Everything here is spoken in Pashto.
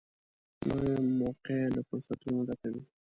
نوې موقعه له فرصتونو ډکه وي